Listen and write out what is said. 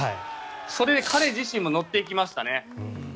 それで彼自身も乗っていきましたね。